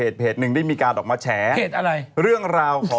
เขามีช่างมาก